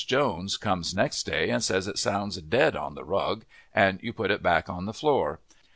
Jones comes next day and says it sounds dead on the rug, and you put it back on the floor.